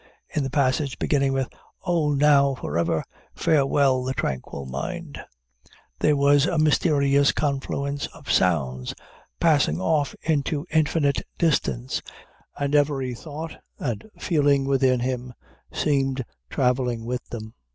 In the passage beginning with "O, now for ever Farewell the tranquil mind," there was "a mysterious confluence of sounds" passing off into infinite distance, and every thought and feeling within him seemed traveling with them.